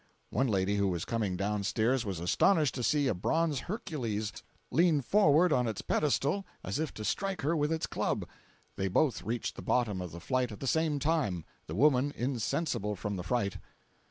One lady who was coming down stairs was astonished to see a bronze Hercules lean forward on its pedestal as if to strike her with its club. They both reached the bottom of the flight at the same time,—the woman insensible from the fright.